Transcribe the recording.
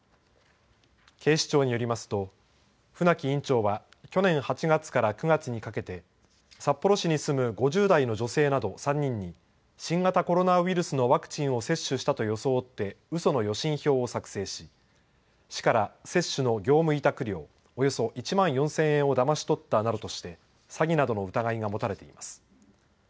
警視庁によりますと船木院長は去年８月から９月にかけて札幌市に住む５０代の女性など３人に新型コロナウイルスのワクチンを接種したと装ってうその予診票を作成し市から接種の業務委託料およそ１万４０００円をだまし取ったなどとして詐欺などの疑いが持たれています。